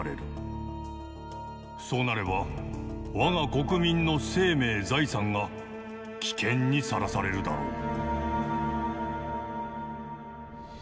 そうなれば我が国民の生命・財産が危険にさらされるだろう」。